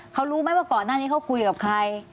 เขารู้ไหมว่าก่อนหน้านี้เขาคุยกับใคร